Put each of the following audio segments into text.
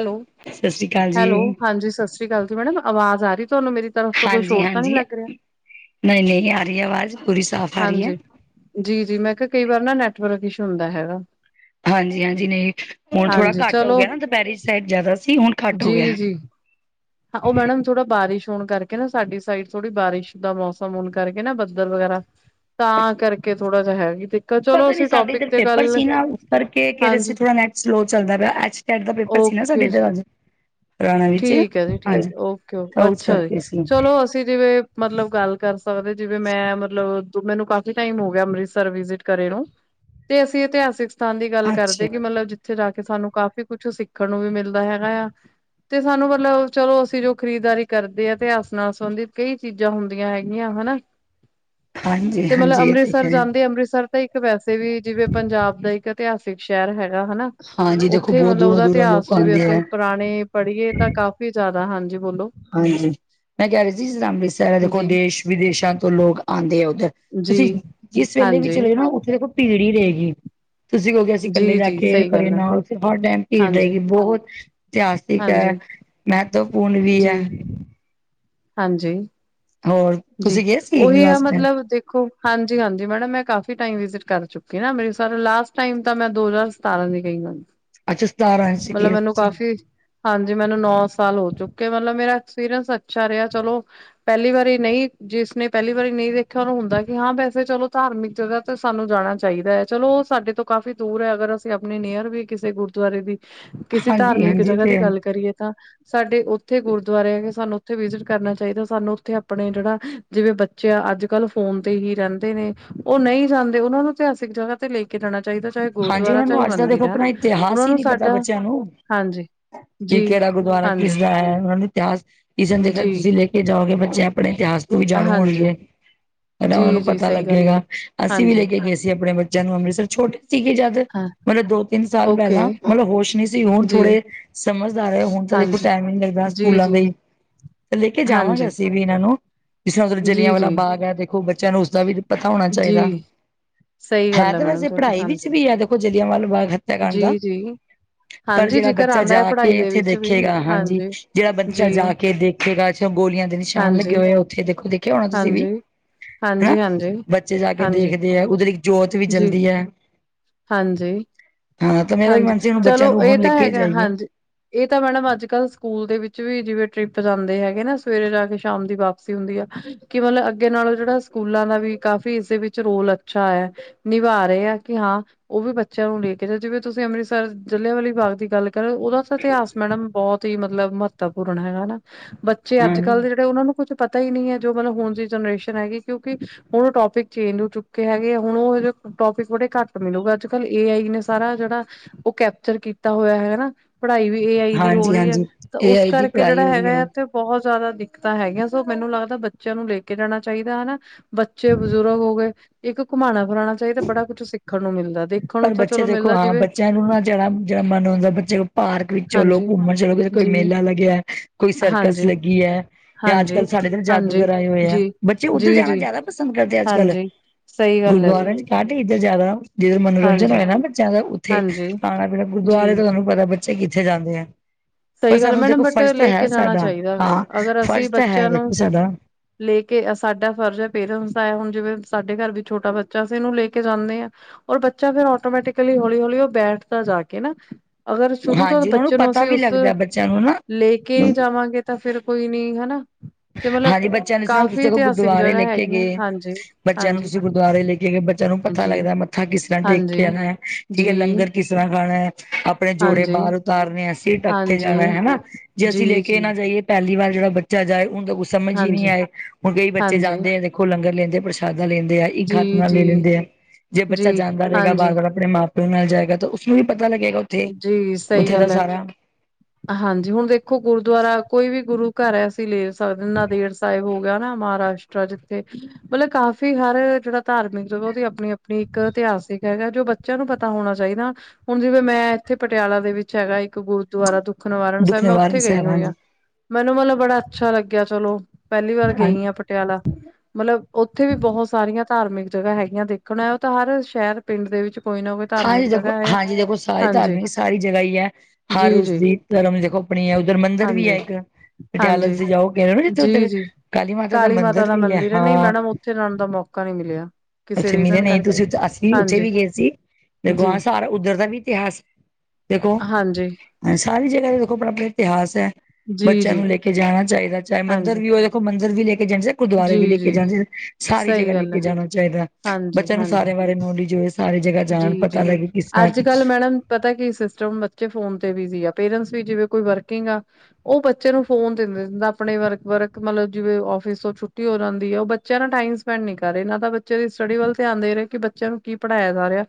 Hello, Sat Sri ਅਕਾਲ ਜੀ hello ਹਾਂਜੀ ਸਤਿ ਸ੍ਰੀ ਅਕਾਲ ਜੀ ਮੈਡਮ ਆਵਾਜ਼ ਆ ਰਹੀ ਤੁਹਾਨੂੰ ਮੇਰੀ? ਤਰਫ ਤੋਂ ਕੋਈ ਹਾਂਜੀ, ਸ਼ੋਰ ਤਾਂ ਨਹੀਂ ਹਾਂਜੀ ਲੱਗ ਰਿਹਾ। ਨਹੀਂ, ਨਹੀਂ ਆ ਰਹੀ ਆਵਾਜ਼ ਪੂਰੀ ਸਾਫ਼ ਆ ਰਹੀ ਹੈ। ਜੀ, ਜੀ ਮੈਂ ਕਿਹਾ ਕਈ ਵਾਰ ਨਾ ਨੈਟਵਰਕ ਇਸ਼ੂ ਹੁੰਦਾ ਹੈਗਾ। ਹਾਂਜੀ, ਹਾਂਜੀ ਨਹੀਂ ਹੁਣ ਥੋੜਾ ਹਾਂਜੀ ਘੱਟ ਹੋ ਗਿਆ ਨਾ ਦੁਪਹਿਰੇ ਸਾਈਡ ਜ਼ਿਆਦਾ ਸੀ ਹੁਣ ਘੱਟ ਹੋ ਗਿਆ ਜੀ, ਜੀ। ਉਹ ਮੈਡਮ ਥੋੜਾ ਬਾਰਿਸ਼ ਹੋਣ ਕਰਕੇ ਨਾ ਸਾਡੀ ਸਾਈਡ ਥੋੜੀ ਬਾਰਿਸ਼ ਦਾ ਮੌਸਮ ਹੋਣ ਕਰਕੇ ਨਾ ਬੱਦਲ ਵਗੈਰਾ ਤਾਂ ਕਰਕੇ, ਥੋੜਾ ਜੇਹਾ ਹੈ ਵੀ ਤੇ। ਪਤਾ ਨੀ ਸਾਡੇ ਇੱਧਰ ਪੇਪਰ ਗੱਲ ਸੀ ਨਾ ਉਸ ਕਰਕੇ ਕਹਿ ਰਹੇ ਸੀ ਹਾਂਜੀ ਥੋੜਾ ਨੈਟ ਸਲੋ ਚੱਲਦਾ ਪਿਆ ਅੱਜ ਟੈਂਥ ਦਾ ਪੇਪਰ ਸੀ ਨਾ ਸਾਡੇ ਓਕੇ ਜੀ ਇੱਧਰ ਅੱਜ। ਰਾਣਾ ਵਿੱਚ ਠੀਕ ਹੈ ਜੀ, ਠੀਕ ਹਾਂਜੀ ਹੈ ਓਕੇ ਓ ਉਸ ਅੱਛਾ ਜੀ ਕਰਕੇ ਸੀ ਚਲੋ ਅਸੀਂ। ਤੁਸੀਂ ਜਿਵੇਂ ਮਤਲਬ ਗੱਲ ਕਰ ਸਕਦੇ ਜਿਵੇਂ ਮੈਂ ਮਤਲਬ ਮੈਨੂੰ ਕਾਫੀ ਟਾਈਮ ਹੋ ਗਿਆ ਅੰਮ੍ਰਿਤਸਰ ਵਿਜਿਟ ਕਰੇ ਨੂੰ ਤੇ ਅਸੀਂ ਇਤਿਹਾਸਿਕ ਸਾਨ ਦੀ ਗੱਲ ਅੱਛਾ ਕਰਦੇ ਕਿ ਮਤਲਬ ਜਿੱਥੇ ਜਾ ਕੇ ਸਾਨੂੰ ਕਾਫ਼ੀ ਕੁੱਛ ਸਿੱਖਣ ਨੂੰ ਵੀ ਮਿਲਦਾ ਹੈਗਾ ਆ। ਤੇ ਸਾਨੂੰ, ਮਤਲਬ ਚਲੋ ਅਸੀਂ ਜੋ ਖਰੀਦਦਾਰੀ ਕਰਦੇ ਹਾਂ ਤੇ ਆਸ ਨਾਲ ਸੰਬੰਧਿਤ ਕਈ ਚੀਜ਼ਾਂ ਹੁੰਦੀਆਂ ਹੈਗੀਆਂ ਹੈਨਾ। ਤੇ ਮਤਲਬ ਹਾਂਜੀ-ਹਾਂਜੀ ਇਹ ਤੇ ਅੰਮ੍ਰਿਤਸਰ ਹੈ ਜਾਂਦੇ, ਅੰਮ੍ਰਿਤਸਰ ਤਾਂ ਇੱਕ ਵੈਸੇ ਵੀ ਜਿਵੇਂ ਪੰਜਾਬ ਦਾ ਇੱਕ ਇਤਿਹਾਸਿਕ ਸ਼ਹਿਰ ਹੈਗਾ ਹਨਾ ਹਾਂਜੀ ਦੇਖੋ ਉੱਥੇ ਬਹੁਤ ਮਤਲਬ ਉਹਦਾ ਦੂਰੋਂ-ਦੂਰੋਂ ਇਤਿਹਾਸ ਲੋਕ ਚ ਵੀ ਆਉਂਦੇ ਅਸੀਂ ਹੈ ਪੁਰਾਣੇ ਪੜ੍ਹੀਏ ਤਾਂ ਕਾਫੀ ਜ਼ਿਆਦਾ। ਹਾਂਜੀ, ਬੋਲੋ? ਹਾਂਜੀ, ਮੈਂ ਕਹਿ ਰਹੀ ਸੀ ਅੰਮ੍ਰਿਤਸਰ ਦੇਖੋ ਜੀ, ਦੇਸ਼ ਵਿਦੇਸ਼ਾਂ ਤੋਂ ਲੋਕ ਆਉਂਦੇ ਆ ਉੱਧਰ। ਤੁਸੀਂ ਜੀ, ਜਿਸ ਵੇਲੇ ਵੀ ਹਾਂਜੀ, ਚਲੇ ਜੋ ਨਾ ਉੱਥੇ ਦੇਖੋ ਭੀੜ ਹੀ ਰਹੇਗੀ, ਤੁਸੀਂ ਕਿਹੋਗੇ ਅਸੀਂ ਇਕੱਲੇ ਜੀ, ਜਾ ਜੀ ਕੇ ਸਹੀ ਘਰੇ ਗੱਲ ਹੈ। ਨਾਲ ਫਿਰ ਹਰ ਟਾਈਮ ਭੀੜ ਹਾਂਜੀ, ਰਹੇਗੀ ਬਹੁਤ ਇਤਿਹਾਸਿਕ ਹਾਂਜੀ, ਹੈ, ਮਹੱਤਵਪੂਰਨ ਵੀ ਜੀ, ਹੈ। ਹਾਂਜੀ। ਹੋਰ? ਜੀ, ਤੁਸੀਂ ਗਏ ਸੀ ਉਹੀ ਆ ਲਾਸਟ ਟਾਈਮ ਮਤਲਬ ਦੇਖੋ। ਹਾਂਜੀ, ਹਾਂਜੀ ਮੈਡਮ ਮੈਂ ਕਾਫੀ ਟਾਈਮ ਵਿਜਿਟ ਕਰ ਚੁੱਕੀ ਨਾ ਮੇਰੀ ਸ ਲਾਸਟ ਟਾਈਮ ਤਾਂ ਮੈਂ ਦੋ ਹਜ਼ਾਰ ਸਤਾਰਾਂ ਦੀ ਗਈ ਹਾਂ। ਅੱਛਾ, ਸਤਾਂਰਾ ਆਏ ਮਤਲਬ ਸੀਗੇ ਮੈਨੂੰ ਤੁਸੀਂ? ਕਾਫ਼ੀ ਹਾਂਜੀ, ਮੈਨੂੰ ਨੌ ਸਾਲ ਹੋ ਚੁੱਕੇ ਮਤਲਬ ਮੇਰਾ ਐਕਸਪੀਰੀਅੰਸ ਅੱਛਾ ਰਿਹਾ ਚਲੋ, ਪਹਿਲੀ ਵਾਰੀ ਨਹੀਂ, ਜਿਸਨੇ ਪਹਿਲੀ ਵਾਰੀ ਨਹੀਂ ਦੇਖਿਆ ਉਹਨੂੰ ਹੁੰਦਾ ਕਿ ਹਾਂ ਵੈਸੇ ਚਲੋ ਧਾਰਮਿਕ ਜਗ੍ਹਾ ਤੇ ਸਾਨੂੰ ਜਾਣਾ ਚਾਹੀਦਾ ਹੈ। ਚਲੋ, ਉਹ ਸਾਡੇ ਤੋਂ ਕਾਫ਼ੀ ਦੂਰ ਹੈ ਅਗਰ ਅਸੀਂ ਆਪਣੇ ਨੇਅਰ ਵੀ ਕਿਸੇ ਗੁਰਦੁਆਰੇ ਦੀ ਕਿਸੇ ਹਾਂਜੀ ਧਾਰਮਿਕ ਹਾਂਜੀ ਜਗ੍ਹਾ ਦੀ ਤੇ ਗੱਲ ਕਰੀਏ ਤਾਂ ਸਾਡੇ ਉੱਥੇ ਗੁਰਦੁਆਰੇ ਹੈਗੇ ਸਾਨੂੰ ਉੱਥੇ ਵਿਜਿਟ ਕਰਨਾ ਚਾਹੀਦਾ। ਸਾਨੂੰ ਉੱਥੇ ਆਪਣੇ ਜਿਹੜਾ, ਜਿਵੇਂ ਬੱਚੇ ਅੱਜ-ਕੱਲ੍ਹ ਫੋਨ ਤੇ ਹੀ ਰਹਿੰਦੇ ਨੇ, ਉਹ ਨਹੀਂ ਜਾਂਦੇ ਉਹਨਾਂ ਨੂੰ ਇਤਿਹਾਸਿਕ ਜਗ੍ਹਾ ਤੇ ਲੈ ਕੇ ਜਾਣਾ ਚਾਹੀਦਾ ਚਾਹੇ ਹਾਂਜੀ ਗੁਰਦੁਆਰਾ ਉਹਨਾਂ ਚਾਹੇ ਨੂੰ ਅੱਜ ਦਾ ਦੇਖੋ ਮੰਦਿਰ ਆਪਣਾ ਹਨਾ ਇਤਿਹਾਸ ਉਹਨਾਂ ਹੀ ਨੂੰ ਨਈ ਪਤਾ ਸਾਡਾ ਬੱਚਿਆਂ ਨੂੰ ਹਾਂਜੀ ਕੀ ਜੀ ਕਿਹੜਾ ਗੁਰਦੁਆਰਾ ਕਿਸ ਹਾਂਜੀ ਦਾ ਐ ਉਹਨਾਂ ਨੇ ਇਤਿਹਾਸ ਕਿਸੇ ਦਿਨ ਜੀ ਤੁਸੀਂ ਲੈ ਕੇ ਜਾਓਗੇ, ਬੱਚੇ ਆਪਣੇ ਇਤਿਹਾਸ ਤੋਂ ਵੀ ਜਾਣੂ ਹਾਂਜੀ ਹੋਣਗੇ ਕਹਿੰਦੇ ਉਹਨਾਂ ਜੀ ਨੂੰ ਜੀ ਪਤਾ ਸਹੀ ਗੱਲ ਹੈ ਲੱਗੇਗਾ। ਅਸੀਂ ਵੀ ਲੈ ਹਾਂਜੀ ਕੇ ਗਏ ਸੀ ਆਪਣੇ ਬੱਚਿਆਂ ਨੂੰ ਅੰਮ੍ਰਿਤਸਰ ਛੋਟੇ ਸੀ ਕਿ ਜਦ ਹਾਂ ਮਤਲਬ ਦੋ ਤਿੰਨ ਸਾਲ ਓਕੇ ਪਹਿਲਾਂ ਮਤਲਬ ਹੋਸ਼ ਨਈ ਸੀ ਹੁਣ ਜੀ ਥੋੜੇ ਸਮਝਦਾਰ ਐ ਹੁਣ ਤਾਂ ਦੇਖੋ ਹਾਂਜੀ ਟਾਈਮ ਹੀ ਨੀ ਲੱਗਦਾ ਜੀ ਸਕੂਲਾਂ ਜੀ ਦਾ ਹੀ, ਲੈ ਕੇ ਜਾਵਾਂਗੇ ਹਾਂਜੀ ਅਸੀਂ ਵੀ ਇਹਨਾਂ ਨੂੰ ਜਿਸ ਤਰ੍ਹਾਂ ਉਥਰ ਜਲੀਆਂ ਜੀ ਵਾਲਾ ਜੀ ਬਾਗ ਐ ਦੇਖੋ ਬੱਚਿਆਂ ਨੂੰ ਉਸਦਾ ਵੀ ਪਤਾ ਹੋਣਾ ਜੀ ਚਾਹੀਦਾ ਸਹੀ ਹੈ ਗੱਲ ਤੇ ਮੈਡਮ ਵੈਸੇ ਤੁਹਾਡੀ ਪੜ੍ਹਾਈ ਵੀ ਹਾਂਜੀ ਵੀ ਆ ਦੇਖੋ ਜਿਲਿਆਂ ਵਾਲਾ ਬਾਗ ਹੱਤਿਆ ਕਰਾਂਡ ਦਾ ਜੀ ਜੀ ਪਰ ਹਾਂਜੀ ਜਿਹੜਾ ਜ਼ਿਕਰ ਬੱਚਾ ਆਂਦਾ ਜਾ ਹੈ ਪੜ੍ਹਾਈ ਕੇ ਦੇ ਉੱਥੇ ਵਿੱਚ ਵੀ ਦੇਖੇਗਾ, ਹਾਂਜੀ ਜਿਹੜਾ ਜੀ ਬੱਚਾ ਜਾ ਕੇ ਦੇਖੇ ੇ ਗੋਲੀਆਂ ਦੇ ਨਿਸ਼ਾਨ ਲੱਗੇ ਹਾਂਜੀ ਹੋਏ ਆ ਉੱਥੇ ਦੇਖ-ਦੇਖ ਦੇਖਿਆ ਹੋਣਾ ਤੁਸੀਂ ਵੀ ਹਾਂਜੀ ਹਨਾ। ਹਾਂਜੀ ਹਾਂਜੀ ਬੱਚੇ ਜਾ ਕੇ ਹਾਂਜੀ ਦੇਖਦੇ ਐ ਉੱਧਰ ਇੱਕ ਜੋਤ ਵੀ ਜੀ ਚਲਦੀ ਐ। ਹਾਂਜੀ- ਤਾਂ ਮੇਰਾ ਵੀ ਹਾਂਜੀ, ਮਨ ਸੀ ਹੁਣ ਬੱਚਿਆਂ ਚਲੋ ਨੂੰ ਇਹ ਹੁਣ ਲੈ ਤਾਂ ਕੇ ਹੈਗਾ ਜਾਈਏ ਹਾਂਜੀ ਇਹ ਤਾਂ ਮੈਡਮ ਅੱਜ-ਕੱਲ ਸਕੂਲ ਦੇ ਵਿੱਚ ਵੀ ਜਿਵੇਂ ਟ੍ਰਿਪ ਜਾਂਦੇ ਹੈਗੇ ਨਾ ਸਵੇਰੇ ਜਾ ਕੇ ਸ਼ਾਮ ਦੀ ਵਾਪਸੀ ਹੁੰਦੀ ਆ। ਕਿ ਮਤਲਬ ਅੱਗੇ ਨਾਲੋਂ ਜਿਹੜਾ ਸਕੂਲਾਂ ਦਾ ਵੀ ਕਾਫੀ ਇਸਦੇ ਵਿੱਚ ਰੋਲ ਅੱਛਾ ਏ। ਨਿਭਾ ਰਹੇ ਆ ਕਿ ਹਾਂ ਉਹ ਵੀ ਬੱਚਿਆਂ ਨੂੰ ਲੈ ਕੇ ਜਾ, ਜਿਵੇਂ ਤੁਸੀਂ ਅੰਮ੍ਰਿਤਸਰ ਜਲ੍ਹਿਆਂਵਾਲੇ ਬਾਗ ਦੀ ਗੱਲ ਕਰੋ ਉਹਦਾ ਤਾਂ ਇਤਿਹਾਸ ਮੈਡਮ ਬਹੁਤ ਹੀ ਮਤਲਬ ਮਹੱਤਵਪੂਰਨ ਹੈਗਾ ਨਾ, ਬੱਚੇ ਹਾਂ ਅੱਜ-ਕੱਲ੍ਹ ਦੇ ਜਿਹੜੇ ਉਹਨਾਂ ਨੂੰ ਕੁੱਝ ਪਤਾ ਹੀ ਨੀ ਐ। ਜੋ ਮਤਲਬ ਹੁਣ ਦੀ ਜਨਰੇਸ਼ਨ ਹੈਗੀ ਕਿਉਂਕਿ ਹੁਣ ਉਹ ਟੋਪਿਕ ਚੇਂਜ ਹੋ ਚੁੱਕੇ ਹੈਗੇ ਹੁਣ ਉਹ ਟੋਪਿਕ ਬੜੇ ਘੱਟ ਮਿਲੂਗਾ। ਅੱਜ-ਕੱਲ ਏ ਆਈ ਨੇ ਸਾਰਾ ਜਿਹੜਾ ਉਹ ਕੈਪਚਰ ਕੀਤਾ ਹੋਇਆ ਐ। ਪੜ੍ਹਾਈ ਵੀ ਏ ਆਈ ਦੀ ਹੋ ਹਾਂਜੀ ਰਹੀ ਐ ਹਾਂਜੀ ਤੇ ਏ ਉਸ ਆਈ ਦੀ ਕਰਕੇ ਪੜ੍ਹਾਈ ਜਿਹੜਾ ਹੋ ਰਹੀ ਹੈਗਾ ਆ ਹੈ ਉੱਥੇ ਬਹੁਤ ਜ਼ਿਆਦਾ ਦਿੱਕਤਾਂ ਹੈਗੀਆਂ ਸੋ ਮੈਨੂੰ ਲੱਗਦਾ ਬੱਚਿਆਂ ਨੂੰ ਲੈ ਕੇ ਜਾਣਾ ਚਾਹੀਦਾ ਹੈਨਾ। ਬੱਚੇ, ਬਜ਼ੁਰਗ ਹੋ ਗਏ। ਇੱਕ ਘੁਮਾਣਾ ਫਿਰਾਉਣਾ ਚਾਹੀਦਾ ਬੜਾ ਕੁੱਛ ਸਿੱਖਣ ਨੂੰ ਮਿਲਦਾ ਦੇਖ ਪਰ ਬੱਚੇ ਦੇਖੋ ਹਾਂ ਬੱਚਿਆਂ ਨੂੰ ਨਾ ਜਾਣਾ ਜਿਹੜਾ ਮਨ ਹੁੰਦਾ ਬੱਚੇ ਪਾਰਕ ਵਿੱਚ ਚਲੋ, ਹਾਂਜੀ ਘੁੰਮਣ ਚਲੋ ਕੋਈ ਜੀ ਮੇਲਾ ਲੱਗਿਆ, ਕੋਈ ਸਰਕਸ ਹਾਂਜੀ ਲੱਗੀ ਐ ਜਾਂ ਹਾਂਜੀ ਅੱਜ-ਕੱਲ੍ਹ ਸਾਡੇ ਹਾਂਜੀ ਜਾਦੂਗਰ ਆਏ ਹੋ ਪਏ ਆ। ਜੀ ਬੱਚੇ ਉੱਧਰ ਜੀ ਜਾਣਾ ਜੀ ਜ਼ਿਆਦਾ ਪਸੰਦ ਕਰਦੇ ਅੱਜ-ਕੱਲ ਹਾਂਜੀ ਸਹੀ ਗੱਲ ਹੈ ਜੀ ਗੁਰਦੁਆਰ ਚ ਘੱਟ ਇੱਧਰ ਜਿਆਦਾ ਜਿੱਧਰ ਮਨੋਰੰਜਨ ਹਾਂਜੀ ਹੋਏ ਨਾ ਜ਼ਿਆਦਾ ਉੱਥੇ ਹਾਂਜੀ ਆਉ ਖਾਣਾਪੀਣਾ ਜੀ ਗੁਰਦੁਆਰੇ ਤੋਂ ਤੁਹਾਨੂੰ ਪਤਾ ਬੱਚੇ ਕਿੱਥੇ ਜਾਂਦੇ ਆ ਪਰ ਸਹੀ ਗੱਲ ਸਾਨੂੰ ਮੈਡਮ ਦੇਖੋ ਬਟ ਫਰਜ਼ ਤਾਂ ਲੈ ਹੈ ਕੇ ਜਾਣਾ ਸਾਡਾ ਚਾਹੀਦਾ ਹਾਂ ਅਗਰ ਅਸੀਂ ਫਰਜ਼ ਤਾਂ ਹੈ ਬੱਚਿਆਂ ਨੂੰ ਵਖੋ ਸਾਡਾ ਲੈ ਕੇ ਸਾਡਾ ਫਰਜ਼ ਐ, ਪੇਰੈਂਟਸ ਦਾ ਹੁਣ ਜਿਵੇਂ ਸਾਡੇ ਘਰ ਵੀ ਛੋਟਾ ਬੱਚਾਸੀ ਇਹਨੂੰ ਲੈ ਕੇ ਜਾਂਦੇ ਆ। ਔਰ ਬੱਚਾ ਫੇਰ ਆਟੋਮੈਟਿਕਲੀ ਹੌਲੀ-ਹੌਲੀ ਉਹ ਬੈਠਦਾ ਜਾ ਕੇ ਨਾ ਅਗਰ ਸ਼ੁਰੂ ਤੋਂ ਹਾਂਜੀ ਉਹਨਾਂ ਬੱਚੇ ਨੂੰ ਪਤਾ ਅਸੀਂ ਵੀ ਉਸ ਲੱਗਦਾ ਬੱਚਿਆਂ ਨੂੰ ਨਾ ਲੈ ਕੇ ਨੀ ਜਾਵਾਂਗੇ ਤਾਂ ਫੇਰ ਕੋਈ ਨੀ ਹਨਾ ਤੇ ਮਤਲਬ ਹਾਂਜੀ, ਬੱਚਿਆਂ ਨੂੰ ਸੁ ਕਾਫ਼ੀ ਤੁਸੀਂ ਇਤਿਹਾਸਿਕ ਗੁਰਦੁਆਰੇ ਜਗ੍ਹਾ ਲੈ ਕੇ ਹੈਗੀਆਂ ਗਏ, ਹਾਂਜੀ ਬੱਚਿਆਂ ਨੂੰ ਹਾਂਜੀ ਤੁਸੀਂ ਗੁਰਦੁਆਰੇ ਲੈ ਕੇ ਬੱਚਿਆਂ ਨੂੰ ਪਤਾ ਜੀ ਲੱਗਦਾ ਹੈ ਮੱਥਾ ਕਿਸ ਤਰ੍ਹਾਂ ਟੇਕ ਕੇ ਹਾਂਜੀ ਆਣਾ ਏ, ਠੀਕ ਐ, ਜੀ ਲੰਗਰ ਕਿਸ ਤਰ੍ਹਾਂ ਖਾਣਾ ਏ। ਆਪਣੇ ਜੋੜੇ ਹਾਂਜੀ ਬਾਹਰ ਉਤਾਰਨੇ ਆ, ਅਸੀਂ ਸਿਰ ਢੱਕ ਕੇ ਹਾਂਜੀ ਜਾਣਾ। ਜੇ ਅਸੀਂ ਲੈ ਜੀ ਕੇ ਜੀ ਨਾ ਜਾਈਏ ਤੇ ਪਹਿਲੀ ਵਾਰ ਜਿਹੜਾ ਬੱਚਾ ਜਾਏ ਹੁਣ ਤਾਂ ਕੁਛ ਸਮਝ ਹੀ ਨਈ ਹਾਂਜੀ ਆਏ ਹੁਣ ਕਈ ਬੱਚੇ ਹਾਂਜੀ ਜਾਂਦੇ ਉਹ ਲੰਗਰ ਲੈਂਦੇ, ਪ੍ਰਸ਼ਾਦਾ ਲੈਂਦੇ ਇੱਕ ਹੱਥ ਜੀ ਨਾਲ ਲੈ ਜੀ ਲੈਂਦੇ ਆ ਜੇ ਜੀ ਬੱਚਾ ਜਾਂਦਾ ਰਹੇਗਾ ਬਾਰ ਹਾਂਜੀ -ਵਾਰ ਆਪਣੇ ਨਾਲ ਜਾਏਗਾ ਤਾਂ ਉਸਨੂੰ ਵੀ ਪਤਾ ਲੱਗੇਗਾ ਉੱਥੇ ਜੀ ਸਹੀ ਉੱਥੇ ਦਾ ਗੱਲ ਐ। ਸਾਰਾ ਹਾਂਜੀ ਹੁਣ ਦੇਖੋ ਗੁਰੂਦੁਆਰਾ ਕੋਈ ਵੀ ਗੁਰੂ ਘਰ ਹੈ ਅਸੀਂ ਲੈ ਸਕਦੇ ਨਾਂਦੇੜ ਸਾਹਿਬ ਹੋ ਗਿਆ ਨਾ ਮਹਾਰਾਸ਼ਟਰ ਜਿੱਥੇ ਮਤਲਬ ਕਾਫ਼ੀ ਹਰ ਜਿਹੜਾ ਧਾਰਮਿਕ ਉਹਦੀ ਆਪਣੀ ਆਪਣੀ ਇੱਕ ਇਤਿਹਾਸਿਕ ਹੈਗਾ। ਜੋ ਬੱਚਿਆਂ ਨੂੰ ਪਤਾ ਹੋਣਾ ਚਾਹੀਦਾ ਹੁਣ ਜਿਵੇਂ ਮੈਂ ਇੱਥੇ ਪਟਿਆਲਾ ਦੇ ਵਿੱਚ ਹੈਗਾ, ਇੱਕ ਗੁਰਦੁਆਰਾ ਦੁੱਖ ਨਿਵਾਰਨ ਦੁੱਖ ਸਾਹਿਬ ਮੈਂ ਨਿਵਾਰਨ ਉੱਥੇ ਗਈ ਸਾਹਿਬ ਹੋਈ ਹਾਂ ਹਾਂਜੀ ਮੈਨੂੰ ਮਤਲਬ ਬੜਾ ਅੱਛਾ ਲੱਗਿਆ ਚਲੋ ਪਹਿਲੀ ਵਾਰ ਹਾਂ ਗਈ ਆ ਪਟਿਆਲਾ ਮਤਲਬ ਉੱਥੇ ਵੀ ਬਹੁਤ ਸਾਰੀਆਂ ਧਾਰਮਿਕ ਜਗ੍ਹਾ ਹੈਗੀਆਂ ਦੇਖਣਾ ਆ। ਉਹ ਤਾਂ ਹਰ ਸ਼ਹਿਰ, ਪਿੰਡ ਦੇ ਵਿੱਚ ਕੋਈ ਨਾ ਕੋਈ ਹਾਂਜੀ ਧਾਰਮਿਕ ਦੇਖੋ, ਜਗ੍ਹਾ ਹੈ ਹਾਂਜੀ ਦੇਖੋ ਸਾਰੇ ਹਾਂਜੀ ਧਾਰਮਿਕ, ਸਾਰੀ ਜਗ੍ਹਾ ਹੀ ਹੈ, ਹਰ ਜੀ ਜੀ ਉਸਦੀ ਧਰਮ ਦੇਖੋ ਆਪਣੀ ਹੈ ਉੱਧਰ ਮੰਦਿਰ ਵੀ ਹੈ ਹਾਂਜੀ ਇੱਕ ਪਟਿਆਲੇ ਹਾਂਜੀ 'ਚ ਜਾਓ ਕਹਿ ਗਏ ਉਧਰ, ਜੀ ਉਥੇ ਜੀ ਕਾਲੀ ਮਾਤਾ ਦਾ ਮੰਦਿਰ ਵੀ ਹੈ ਹਾਂ ਮੌਕਾ ਨੀ ਮਿਲਿਆ, ਕਿਸੇ ਉੱਥੇ ਮਿਲੇ ਰੀਜ਼ਨ ਨਹੀਂ ਕਰਕੇ, ਤੁਸੀਂ ਅਸੀਂ ਉੱਥੇ ਹਾਂਜੀ ਵੀ ਗਏ ਸੀ। ਦੇਖੋ ਜੀ ਹਾਂ ਸਾਰਾ ਉੱਧਰ ਦਾ ਵੀ ਇਤਿਹਾਸ, ਦੇਖੋ ਹਾਂਜੀ ਸਾਰੀ ਜਗ੍ਹਾ ਤੇ ਦੇਖੋ ਆਪਣਾ ਆਪਣਾ ਇਤਿਹਾਸ ਹੈ, ਜੀ ਬੱਚਿਆਂ ਜੀ ਨੂੰ ਲੈ ਕੇ ਜਾਣਾ ਚਾਹੀਦਾ ਚਾਹੇ ਮੰਦਿਰ ਹਾਂਜੀ ਵੀ ਹੋ ਮੰਦਿਰ ਵੀ ਲੈ ਕੇ ਜਾਣਾ ਚਾਹੀਦਾ, ਗੁਰਦੁਆਰੇ ਜੀ ਵੀ ਲੈ ਕੇ ਜੀ ਜਾਣਾ ਚਾਹੀਦਾ, ਸਾਰੀ ਸਹੀ ਜਗ੍ਹਾ ਲੈ ਗੱਲ ਕੇ ਹੈ ਜਾਣਾ ਚਾਹੀਦਾ ਹਾਂਜੀ ਬੱਚਿਆਂ ਨੂੰ ਹਾਂਜੀ ਸਾਰੇ ਬਾਰੇ ਨੌਲੇਜ ਹੋਏ, ਸਾਰੀ ਜਗ੍ਹਾ ਜਾਣ ਜੀ ਪਤਾ ਜੀ, ਲੱਗੇ ਕਿਸ ਤਰ੍ਹਾਂ ਅੱਜ- ਕੱਲ ਮੈਡਮ ਪਤਾ ਕੀ ਸਿਸਟਮ ਬੱਚੇ ਫੋਨ ਤੇ ਵੀ ਆ ਪੇਰੈਂਟਸ ਵੀ ਜਿਵੇਂ ਕੋਈ ਵਰਕਿੰਗ ਆ ਉਹ ਬੱਚੇ ਨੂੰ ਫੋਨ ਦਿੰਦੇ ਆਪਣੇ ਵਰਕ, ਵਰਕ ਮਤਲਬ ਜਿਵੇਂ ਆਫਿਸ ਤੋਂ ਛੁੱਟੀ ਹੋ ਜਾਂਦੀ ਹੈ ਉਹ ਬੱਚਿਆਂ ਨਾਲ ਟਾਈਮ ਸਪੈਂਡ ਨੀ ਕਰ ਰਹੇ ਨਾ ਤਾਂ ਬੱਚੇ ਦੀ ਸਟੱਡੀ ਵੱਲ ਧਿਆਨ ਦੇ ਰਹੇ ਕਿ ਬੱਚਿਆਂ ਨੂੰ ਕੀ ਪੜ੍ਹਾਇਆ ਜਾ ਰਿਹਾ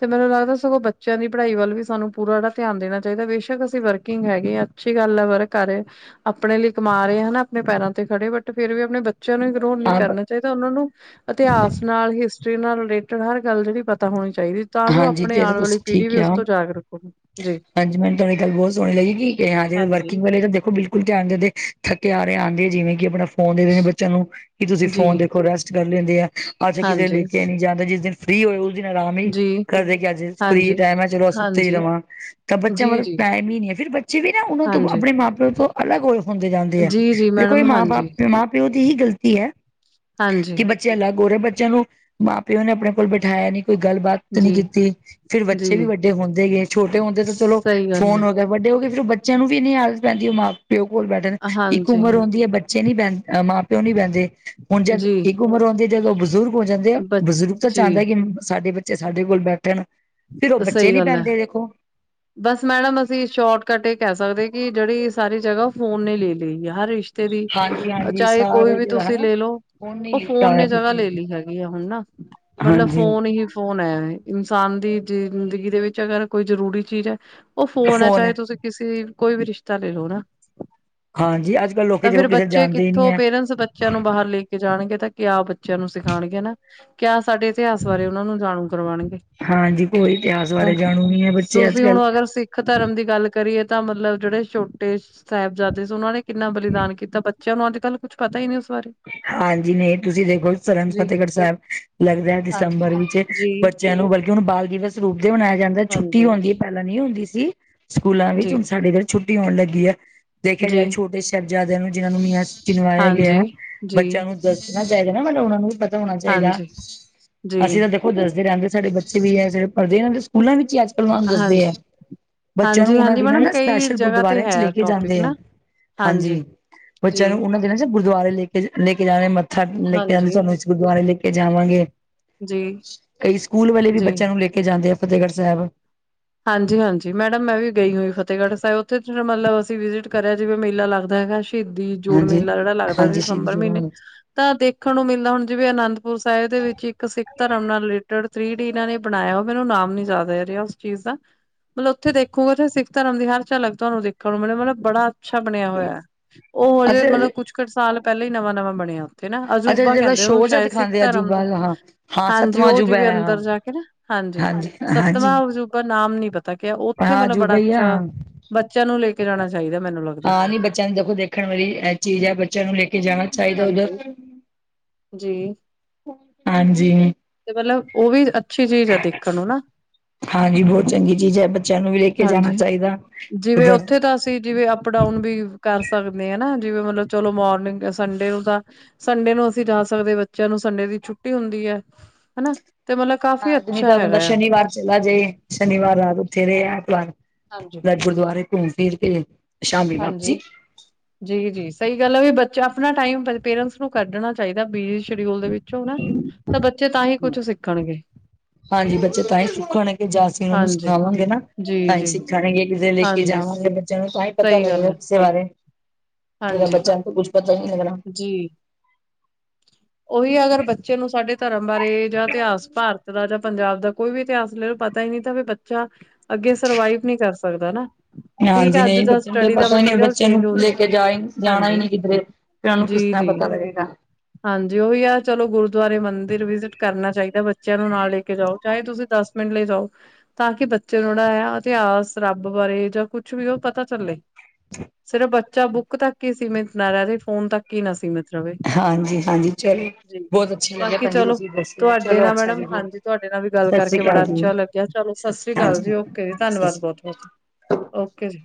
ਤੇ ਮੈਨੂੰ ਲੱਗਦਾ ਸਗੋਂ ਬੱਚਿਆਂ ਦੀ ਪੜ੍ਹਾਈ ਵੱਲ ਵੀ ਸਾਨੂੰ ਪੂਰਾ ਜਿਹੜਾ ਧਿਆਨ ਦੇਣਾ ਚਾਹੀਦਾ ਬੇਸ਼ਕ ਅਸੀਂ ਵਰਕਿੰਗ ਹੈਗੇ ਹਾਂ ਅੱਛੀ ਗੱਲ ਹੈ ਵਰਕ ਕਰ ਰਹੇ, ਆਪਣੇ ਲਈ ਕਮਾ ਰਹੇ ਹਨਾ ਆਪਣੇ ਪੈਰਾਂ ਤੇ ਖੜੇ ਬਟ ਫਿਰ ਵੀ ਆਪਣੇੇ ਬੱਚਿਆਂ ਨੂੰ ਇਗਨੋਰ ਨਹੀ ਹਾਂ ਕਰਨਾ ਚਾਹੀਦਾ, ਉਹਨਾਂ ਨੂੰ ਇਤਿਹਾਸ ਨਾਲ ਹਿਸਟਰੀ ਨਾਲ ਰਿਲੇਟਿਡ ਹਰ ਗੱਲ ਜਿਹੜੀ ਪਤਾ ਹੋਣੀ ਚਾਹੀਦੀ ਤਾਂ ਜੋ ਹਾਂਜੀ ਆਪਣੇ ਜੈਸੇ ਆਉਣ ਵਾਲੀ ਤੁਸੀਂ ਠੀਕ ਪੀੜ੍ਹੀ ਵੀ ਉਸ ਕਿਹਾ, ਤੋਂ ਜਾਗਰੂਕ ਹੋਵੇ ਜੀ। ਹਾਂਜੀ ਮੈਨੂੰ ਤੁਹਾਡੀ ਗੱਲ ਬਹੁਤ ਸੋਹਣੀ ਲੱਗੇਗੀ ਹਾਂਜੀ ਵਰਕਿੰਗ ਵਾਲੇ ਤਾਂ ਦੇਖੋ ਬਿਲ ਧਿਆਨ ਦਿੰਦੇ, ਥੱਕੇ ਹਾਰੇ ਆਉਂਦੇ ਜਿਵੇਂ ਕਿ ਆਪਣਾ ਫੋਨ ਦਿੰਦੇ ਨੇ ਬੱਚਿਆਂ ਨੂੰ ਕਿ ਤੁਸੀਂ ਜੀ, ਫੋਨ ਦੇਖੋ, ਰੈਸਟ ਕਰ ਲੈਂਦੇ ਆ, ਅੱਜ ਕਿਤੇ ਹਾਂਜੀ, ਲੇਟਿਆ ਨਹੀਂ ਜਾਂਦਾ ਜਿਸ ਦਿਨ ਫ੍ਰਰੀ ਹੋਏ ਉਸ ਦਿਨ ਆਰਾਮ ਹੀ ਜੀ, ਘਰ ਦੇ ਕੇ ਅੱਜ ਫਰੀ ਹਾਂਜੀ, ਟਾਈਮ ਹੈ ਚਲੋ ਅਸੀਂ ਸੁੱਤੇਹੀ ਹਾਂਜੀ, ਰਵਾਂ ਤਾਂ ਬੱਚਿਆਂ ਜੀ, ਵੱਲ ਜੀ। ਟਾਈਮ ਹੀ ਨਹੀਂ ਹੈ, ਫਿਰ ਬੱਚੇ ਵੀ ਨਾ ਉਹਨਾਂ ਤੋਂ ਹਾਂਜੀ, ਆਪਣੇ ਮਾਂ ਪਿਓ ਤੋਂ ਅਲੱਗ ਹੋਏ ਹੁੰਦੇ ਜਾਂਦੇ ਹੈ, ਜੀ, ਜੀ ਦੇਖੋ ਇਹ ਮੈਡਮ ਮਾਂ- ਹਾਂਜੀ, ਬਾਪ, ਮਾਂ -ਪਿਓ ਦੀ ਹੀ ਗਲਤੀ ਹੈ ਹਾਂਜੀ ਕਿ ਬੱਚੇ ਅਲੱਗ ਹੋ ਰਹੇ, ਬੱਚਿਆਂ ਨੂੰ ਮਾਂ- ਪਿਓ ਨੇ ਆਪਣੇ ਕੋਲ ਬਿਠਾਇਆ ਨਹੀਂ ਕੋਈ ਗੱਲਬਾਤ ਨਹੀਂ ਜੀ, ਕੀਤੀ, ਫਿਰ ਬੱਚੇ ਵੀ ਜੀ। ਵੱਡੇ ਹੁੰਦੇ ਗਏ, ਛੋਟੇ ਹੁੰਦੇ ਤਾਂ ਚਲੋ ਸਹੀ ਗੱਲ ਫੋਨ ਹੈ ਵੱਡੇ ਹੋ ਗਏ ਫੇਰ ਉਹ ਬੱਚਿਆਂ ਨੂੰ ਵੀ ਆਦਤ ਪੈਂਦੀ ਉਹ ਮਾਂ ਪਿਓ ਕੋਲ ਬੈਠਣ ਦੀ, ਇੱਕ ਹਾਂਜੀ, ਉਮਰ ਹੁੰਦੀ ਹੈ ਬੱਚ ਬੱਚੇ ਨੀ ਪੈਂ, ਮਾਂ -ਪਿਓ ਨੀ ਬਹਿੰਦੇ, ਹੁਣ ਜਦ ਜੀ, ਇੱਕ ਉਮਰ ਆਉਂਦੀ ਜਦੋਂ ਉਹ ਬਜ਼ੁਰਗ ਹੋ ਜਾਂਦੇ ਆ, ਬ ਬਜ਼ੁਰਗ ਤਾਂ ਜੀ, ਚਾਹੁੰਦਾ ਕਿ ਸਾਡੇ ਬੱਚੇ ਸਾਡੇ ਕੋਲ ਬੈਠਣ ਫਿਰ ਉਹ ਬੱਚੇ ਸਹੀ ਨੀ ਗੱਲ ਹੈ ਪੈਂਦੇ ਦੇਖੋ ਬਸ ਮੈਡਮ ਅਸੀਂ ਸ਼ੋਰਟਕੱਟ ਇਹ ਕਹਿ ਸਕਦੇ ਕਿ ਜਿਹੜੀ ਸਾਰੀ ਜਗ੍ਹਾ ਉਹ ਫੋਨ ਨੇ ਲੈ ਲਈ ਹੈ, ਹਰ ਰਿਸ਼ ਰਿਸ਼ਤੇ ਦੀ, ਹਾਂਜੀ ਹਾਂਜੀ ਚਾਹੇ ਕੋਈ ਸਾਰੇ ਵੀ ਜਿਹੜਾ ਤੁਸੀਂ ਹਨਾ ਲੈ ਲਓ ਨਹੀਂ ਉਹ ਲਿੱਤਾ ਫੋਨ ਨੇ ਹੋਇਆ ਜਗ੍ਹਾ ਤੁਸੀਂ ਲੈ ਲਈ ਹੈਗੀ ਆ ਹੁਣ ਨਾ, ਮਤਲਬ ਹਾਂਜੀ ਫੋਨ ਹੀ ਫੋਨ ਹੈ, ਇਨਸਾਨ ਦੀ ਜ਼ਿੰਦਗੀ ਦੇ ਵਿੱਚ ਅਗਰ ਕੋਈ ਜ਼ਰੂਰੀ ਚੀਜ਼ ਹੈ ਉਹ ਫੋਨ ਆ, ਚਾਹੇ ਤੁਸੀਂ ਕਿਸੇ ਕੋਈ ਵੀ ਰਿਸ਼ਤਾ ਲੈ ਲਓ ਨਾ ਹਾਂਜੀ ਅੱਜ ਕੱਲ੍ਹ ਲੋਕੀ ਤਾਂ ਦੇਖੋ ਫਿਰ ਕਿਸੇ ਬੱਚੇ ਜਾਂਦੇ ਹੀ ਨੀ ਕਿੱਥੋਂ ਹੈ ਪੇਰੈਂਟਸ ਬੱਚਿਆਂ ਨੂੰ ਬਾਹਰ ਲਈ ਜਾਣਗੇ, ਤਾਂ ਕਿਆ ਬੱਚਿਆਂ ਨੂੰ ਸਿਖਾਉਣਗੇ ਨਾ ਕਿਆ ਸਾਡੇ ਇਤਿਹਾਸ ਬਾਰੇ ਉਹਨਾਂ ਨੂੰ ਜਾਣੂ ਕਰਵਾਉਣਗੇ ਹਾਂਜੀ ਕੋਈ ਇਤਿਹਾਸ ਬਾਰੇ ਜਾਣੂ ਨੀ ਹੈ ਬੱਚੇ, ਅੱਜ ਤੁਸੀਂ ਹੁਣ ਕੱਲ੍ਹ ਅਗਰ ਸਿੱਖ ਧਰਮ ਦੀ ਗੱਲ ਕਰੀਏ ਤਾਂ ਮਤਲਬ ਜਿਹੜੇ ਛੋਟੇ ਸਾਹਿਬਜ਼ਾਦੇ ਸੀ ਉਹਨਾਂ ਨੇ ਕਿੰਨਾ ਬਲੀਦਾਨ ਕੀਤਾ ਬੱਚਿਆਂ ਨੂੰ ਅੱਜ- ਕੱਲ ਕੁੱਛ ਪਤਾ ਹੀ ਨਹੀਂ ਉਸ ਬਾਰੇ ਹਾਂਜੀ ਨਹੀਂ ਤੁਸੀਂ ਦੇਖੋ ਸਰਹੰਦ ਜੀ ਫਤਿਹਗੜ੍ਹ ਸਾਹਿਬ ਲੱਗਦਾ ਦਿਸੰਬਰ ਹਾਂਜੀ ਵਿੱਚ ਬ ਜੀ ਬਚਿਆ ਨੂੰ ਬਲਕਿ ਹੁਣ ਬਾਲ ਦਿਵਸ ਰੂਪ ਦੇ ਮਨਾਇਆ ਜਾਂਦਾ ਛੁੱਟੀ ਹਾਂਜੀ ਹੁੰਦੀ ਹੈ ਪਹਿਲਾਂ ਨਹੀ ਹੁੰਦੀ ਸੀ ਸਕੂਲਾਂ ਵਿੱਚ ਜੀ ਹੁਣ ਸਾਡੇ ਫਿਰ ਛੁੱਟੀ ਹੋਣ ਲੱਗੀ ਆ, ਦੇਖਿਆ ਜੀ ਜਾਏ ਛੋਟੇ ਸਾਹਿਬਜ਼ਾਦਿਆਂ ਨੂੰ ਜਿਹਨਾਂ ਨੂੰ ਮੀਆਂ ਚਣਵਾਇਆ ਹਾਂਜੀ, ਗਿਆ, ਜੀ, ਬੱਚਿਆਂ ਨੂੰ ਦੱਸਣਾ ਚਾਹੀਦਾ ਨਾ ਮਤਲਬ ਉਹ ਨੂੰ ਵੀ ਪਤਾ ਹੋਣਾ ਚਾਹੀਦਾ, ਹਾਂਜੀ, ਜੀ, ਅਸੀਂ ਤਾਂ ਦੇਖੋ ਦੱਸਦੇ ਰਹਿੰਦੇ ਸਾਡੇ ਬੱਚੇ ਵੀ ਹੈ ਜਿਹੇ ਪੜ੍ਹਦੇ ਸਕੂਲਾ ਵਿੱਚ ਹੀ ਅੱਜ ਕੱਲ ਮਨੂੰ ਦੱਸਦੇ ਆ ਹਾਂਜੀ। ਬੱਚਿਆਂ ਨੂੰ ਉਹਨਾਂ ਹਾਂਜੀ-ਹਾਂਜੀ ਦਿਨਾਂ ਮੈਡਮ ਨਾ ਕਈ ਸਪੈਸ਼ਲ ਜਗ੍ਹਾ ਤੇ ਗੁਰਦੁਆਰਿਆਂ ਹੈ 'ਚ ਲੈ ਕੇ ਟੋਪਿਕ ਜਾਂਦੇ ਹੈ ਨਾ ਹਾਂਜੀ, ਜੀ, ਬੱਚਿਆਂ ਨੂੰ ਉਹਨਾਂ ਜਿ ਗੁਰਦੁਆਰੇ ਲੈ ਕੇ ਲੈ ਕੇ ਜਾਣੇ ਮੱਥਾ ਲੈ ਕੇ ਜਾਂਦੇ ਹਾਂਜੀ। ਤੁਹਾਨੂੰ ਅਸੀਂ ਗੁਰਦੁਆਰੇ ਲੈ ਕੇ ਜਾਵਾਂਗੇ ਜੀ, ਕਈ ਸਕੂਲ ਵਾਲੇ ਵੀ ਜੀ, ਬੱਚਿਆਂ ਨੂੰ ਲੈ ਕੇ ਜਾਂਦੇ ਆ ਫ਼ਤਿਹਗੜ੍ਹ ਸਾਹਿਬ ਹਾਂਜੀ, ਹਾਂਜੀ। ਮੈਡਮ ਮੈਂ ਵੀ ਗਈ ਹੋਈ ਫਤਿਹਗੜ੍ਹ ਸਾਹਿਬ। ਉੱਥੇ ਮਤਲਬ ਅਸੀਂ ਵਿਜਿਟ ਕਰਿਆ ਜਿਵੇਂ ਮੇਲਾ ਲੱਗਦਾ ਹੈਗਾ। ਸ਼ਹੀਦੀ ਜੋੜ ਹਾਂਜੀ ਮੇਲਾ ਜਿਹੜਾ ਲੱਗਦਾ ਸੀ ਹਾਂਜੀ ਸ਼ਹੀਦੀ ਦਸੰਬਰ ਜੋੜਾ ਮਹੀਨੇ ਤਾਂ ਦੇਖਣ ਨੂੰ ਮਿਲਦਾ ਹੁਣ ਜਿਵੇਂ ਅਨੰਦਪੁਰ ਸਾਹਿਬ ਦੇ ਵਿੱਚ ਇੱਕ ਸਿੱਖ ਧਰਮ ਨਾਲ ਰਿਲੇਟਿਡ ਥਰੀ ਡੀ ਨਾ ਇਹਨਾਂ ਨੇ ਬਣਾਇਆ ਵਾ ਮੈਨੂੰ ਨਾਮ ਨੀ ਯਾਦ ਇਹ ਰਿਹਾ। ਚੀਜ਼ ਦਾ, ਮਤਲਬ ਉੱਥੇ ਦੇਖੂਗਾ ਉੱਥੇ ਸਿੱਖ ਧਰਮ ਦੀ ਹਰ ਝਲਕ ਤੁਹਾਨੂੰ ਦੇਖਣ ਨੂੰ ਮਿਲੂ ਮਤਲਬ ਬੜਾ ਅੱਛਾ ਬਣਿਆ ਹੋਇਆ। ਉਹ ਹਜੇ ਅੱਛਾ ਮਤਲਬ ਕੁੱਛ ਕੁ ਸਾਲ ਪਹਿਲਾਂ ਹੀ ਨਵਾਂ-ਨਵਾਂ ਬਣਿਆ ਉੱਥੇ। ਤੇ ਨਾ ਅੱਛਾ ਅਜੂਬਾ ਜਿਹੜਾ ਕਹਿੰਦੇ ਉਹਨੂੰ ਸ਼ੋਅ ਜਾ ਸ਼ਾਇਦ ਸਿੱਖ ਦਿਖਾਉਂਦੇ ਆ ਧਰਮ ਦਾ। ਅਜੂਬਾ ਹਾਂ ਹਾਂ ਹਾਂਜੀ ਸੱਤਵਾਂ ਉਹ ਅਜੂਬਾ ਜਿਵੇਂ ਹੈ ਹਾਂ ਅੰਦਰ ਜਾ ਕੇ ਨਾ ਹਾਂਜੀ, ਸੱਤਵਾਂ ਅਜੂ ਪਰ ਨਾਮ ਨੀ ਪਤਾ ਕਿਆ ਉੱਥੇ ਹਾਂ ਮਤਲਬ ਬੜਾ ਅਜੂਬਾ ਹੀ ਆ ਅੱਛਾ, ਹਾਂ ਬੱਚਿਆਂ ਨੂੰ ਲੈ ਕੇ ਜਾਣਾ ਚਾਹੀਦਾ ਮੈਨੂੰ ਲੱਗਦਾ। ਆ ਨੀ ਬੱਚਿਆਂ ਨੂੰ ਦੇਖੋ ਦੇਖਣ ਵਾਲੀ ਇਹ ਚੀਜ਼ ਹੈ ਬੱਚਿਆਂ ਨੂੰ ਲੈ ਕੇ ਜਾਣਾ ਚਾਹੀਦਾ ਉੱਧਰ। ਹਾਂਜੀ ਜੀ। ਹਾਂਜੀ। ਤੇ ਮਤਲਬ, ਉਹ ਵੀ ਅੱਛੀ ਚੀਜ਼ ਆ ਦੇਖਣ ਨੂੰ ਨਾ। ਹਾਂਜੀ ਬਹੁਤ ਚੰਗੀ ਚੀਜ਼ ਹੈ ਬੱਚਿਆਂ ਨੂੰ ਵੀ ਲੈ ਕੇ ਜਾਣਾ ਚਾਹੀਦਾ, ਉੱਧਰ। ਦਾ ਸੀ ਜਿਵੇਂ ਆਪਾਂ ਅਪ ਡਾਊਨ ਵੀ ਕਰ ਸਕਦੇ ਆ ਨਾ ਜਿਵੇਂ ਮਤਲਬ ਚਲੋ ਮੋਰਨਿੰਗ ਸੰਡੇ ਨੂੰ ਤਾਂ ਸੰਡੇ ਨੂੰ ਅਸੀਂ ਜਾ ਸਕਦੇ ਬੱਚਿਆਂ ਨੂੰ ਸੰਡੇ ਦੀ ਛੁੱਟੀ ਹੁੰਦੀ ਹੈ, ਹਨਾ। ਤੇ ਮਤਲਬ ਕਾਫ਼ੀ ਹਾਂ ਨਹੀਂ ਅੱਛਾ ਤਾਂ ਬੰਦਾ ਹੈਗਾ ਆ। ਸ਼ਨੀਵਾਰ ਚਲਾ ਜੇ, ਸ਼ਨੀਵਾਰ ਰਾਤ ਉੱਥੇ ਰਹੇ ਐਤਵਾਰ ਹਾਂਜੀ ਗੁਰਦੁਆਰੇ ਘੁੰਮ-ਫਿਰ ਕੇ ਸ਼ਾਮੀ ਵਾਪਸੀ ਹਾਂਜੀ ਜੀ-ਜੀ ਸਹੀ ਗੱਲ ਹੈ ਵੀ ਬੱਚਾ ਆਪਣਾ ਟਾਈਮ ਪੇਰੈਂਟਸ ਨੂੰ ਕੱਢਣਾ ਚਾਹੀਦਾ ਬਿਜੀ ਸ਼ਡਿਊਲ ਦੇ ਵਿੱਚ। ਵਿਚੋਂ ਨਾ ਤਾਂ ਬੱਚੇ ਤਾਂ ਹੀ ਕੁਛ ਸਿੱਖਣਗੇ। ਹਾਂਜੀ ਬੱਚੇ ਤਾਂ ਹੀ ਸੁੱਖਣਗੇ ਜਾਂ ਅਸੀਂ ਉਹਨਾਂ ਨੂੰ ਹਾਂਜੀ ਸਿਖਾਵਾਂਗੇ ਨਾ। ਜੀ ਤਾਂ ਹੀ ਜੀ ਸਿੱਖਣਗੇ ਜੇ ਲੈ ਕੇ ਹਾਂਜੀ ਜਾਵਾਂਗੇ ਸਹੀ ਬੱਚਿਆਂ ਨੂੰ ਤਾਂ ਹੀ ਪਤਾ ਗੱਲ ਲੱਗੇਗਾ ਹੈ ਕਿਸੇ ਬਾਰੇ। ਮੇਰਾ ਹਾਂਜੀ ਬੱਚਿਆਂ ਨੂੰ ਤੋਂ ਕੁੱਛ ਪਤਾ ਹੀ ਨਹੀਂ ਲੱਗਣਾ। ਜੀ। ਉਹੀ ਅਗਰ ਬੱਚੇ ਨੂੰ ਸਾਡੇ ਧਰਮ ਬਾਰੇ ਜਾਂ ਇਤਿਹਾਸ ਭਾਰਤ ਦਾ ਜਾਂ ਪੰਜਾਬ ਦਾ ਕੋਈ ਵੀ ਇਤਿਹਾਸ ਲੈ ਲਓ ਪਤਾ ਹੀ ਨਹੀਂ ਤ ਵੀ ਬੱਚਾ ਅੱਗੇ ਸਰਵਾਈਵ ਨੀ ਕਰ ਸਕਦਾ ਨਾ। ਠੀਕ ਹਾਂਜੀ ਹੈ ਅੱਜ ਨਹੀਂ ਦਾ ਬੱਚਿਆਂ ਨੂੰ ਤਾਂ ਸਟੱਡੀ ਦਾ ਪਤਾ ਹੀ ਨਹੀਂ ਮਟੀਰੀਅਲ ਬੱਚਿਆਂ ਨੂੰ ਚੇਂਜ ਹੋ ਲੈ ਕੇ ਚੁੱਕਾ ਜਾ ਜਾਣਾ ਹੀ ਹਾਂਜੀ ਨਹੀਂ ਕਿਧਰੇ। ਬੱਚਿਆਂ ਨੂੰ ਕਿਸ ਜੀ ਤਰ੍ਹਾਂ ਜੀ ਪਤਾ ਲੱਗੇਗਾ। ਹਾਂਜੀ ਉਹੀ ਆ ਚਲੋ ਗੁਰਦੁਆਰੇ ਮੰਦਿਰ ਵਿਜਿਟ ਕਰਨਾ ਚਾਹੀਦਾ ਬੱਚਿਆਂ ਨੂੰ ਨਾਲ ਲੈ ਕੇ ਜਾਓ ਚਾਹੇ ਤੁਸੀਂ ਦਸ ਮਿੰਟ ਲਈ ਜਾਓ ਤਾਂ ਕਿ ਬੱਚੇ ਨੂੰ ਜਿਹੜਾ ਆ ਇਤਿਹਾਸ ਰੱਬ ਬਾਰੇ ਜਾਂ ਕੁਛ ਵੀ ਉਹ ਪਤਾ ਚੱਲੇ। ਸਿਰਫ ਬੱਚਾ ਬੁੱਕ ਤੱਕ ਹੀ ਸੀਮਿਤ ਨਾ ਰਹਿ ਜੇ ਫੋਨ ਤੱਕ ਹੀ ਨਾ ਸੀਮਿਤ ਰਹੇ। ਹਾਂਜੀ। ਹਾਂਜੀ ਚਲੋ ਜੀ ਬਹੁਤ ਅੱਛਾ ਲੱਗਿਆ ਬਾਕੀ ਭੈਣ ਜੀ ਚਲੋ, ਤੁਸੀਂ ਦੱਸਿਆ ਤੁਹਾਡੇ ਚਲੋ ਨਾਲ ਅੱਛਾ ਮੈਡਮ ਜੀ ਫਿਰ ਹਾਂਜੀ ਤੁਹਾਡੇ ਨਾਲ ਵੀ ਗੱਲ ਸਤਿ ਸ੍ਰੀ ਕਰਕੇ ਬੜਾ ਅਕਾਲ ਜੀ ਅੱਛਾ ਲੱਗ ਗਿਆ ਚਲੋ ਸਤਿ ਸ੍ਰੀ ਅਕਾਲ ਜੀ ਓਕੇ ਜੀ ਧੰਨਵਾਦ ਬਹੁਤ-ਬਹੁਤ ਓਕੇ ਜੀ।